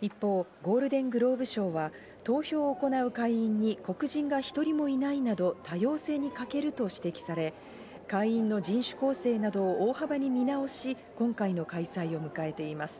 一方、ゴールデングローブ賞は、投票を行う会員に黒人が１人もいないなど、多様性に欠けると指摘され、会員の人種構成などを大幅に見直し、今回の開催を迎えています。